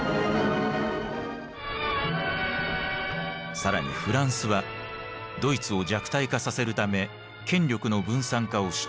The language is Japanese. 更にフランスはドイツを弱体化させるため権力の分散化を主張。